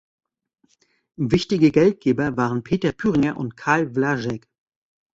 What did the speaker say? Wichtige Geldgeber waren Peter Pühringer und Karl Wlaschek.